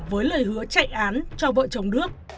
với lời hứa chạy án cho vợ chồng đước